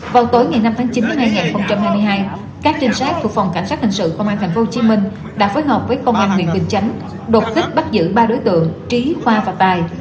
vào tối ngày năm tháng chín hai nghìn hai mươi hai các trinh sát thuộc phòng cảnh sát hình sự công an tp hcm đã phối hợp với công an huyện bình chánh đột kích bắt giữ ba đối tượng trí khoa và tài